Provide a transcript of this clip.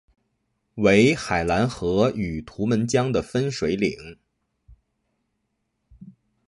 为海兰河与图们江的分水岭。